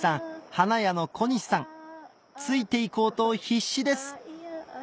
花屋の小西さんついていこうと必死です